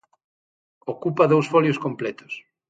Ocupa dous folios completos.